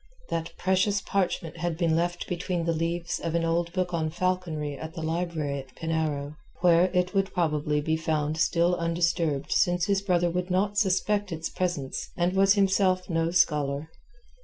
That precious parchment had been left between the leaves of an old book on falconry in the library at Penarrow, where it would probably be found still undisturbed since his brother would not suspect its presence and was himself no scholar.